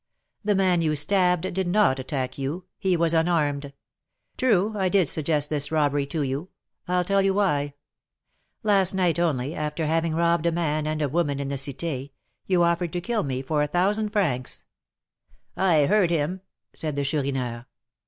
"The man you stabbed did not attack you, he was unarmed. True, I did suggest this robbery to you, I'll tell you why. Last night only, after having robbed a man and woman in the Cité, you offered to kill me for a thousand francs " "I heard him," said the Chourineur.